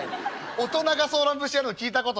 大人が『ソーラン節』やるの聞いたことないから」。